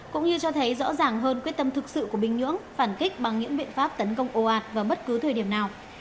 cũng như cho thấy rõ ràng hơn quyết tâm thực sự của bình nhưỡng phản kích bằng những biện pháp tấn công ồ ạt vào bất cứ thời điểm nào